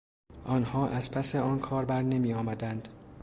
آنها از پس آن کار بر نمیآمدند.